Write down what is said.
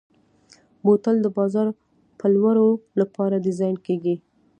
بوتل د بازار پلورلو لپاره ډیزاین کېږي.